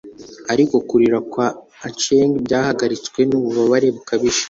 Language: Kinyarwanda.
ariko kurira kwa achieng byahagaritswe nububabare bukabije